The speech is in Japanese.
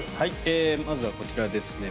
まずはこちらですね。